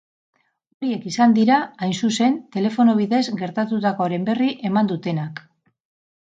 Horiek izan dira, hain zuzen, telefono bidez gertatutakoaren berri eman dutenak.